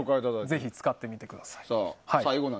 ぜひ使ってみてください。